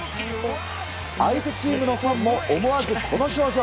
相手チームのファンも思わずこの表情。